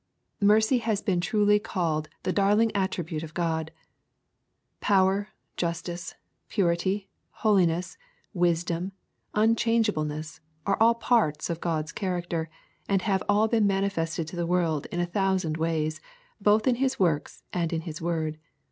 Mercy has been truly called the darling attribute of God. Power, justice, purity, holiness, wisdom, unchange ableness, are all parts of God's character, and have all been manifested to the world in a thousand ways, both in His works and in His word.